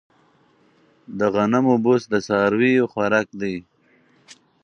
د غنمو بوس د څارویو خوراک دی.